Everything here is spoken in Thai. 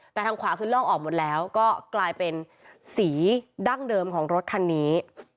แต่ทางขวาคือล่องออกหมดแล้วก็กลายเป็นสีดั้งเดิมของรถคันนี้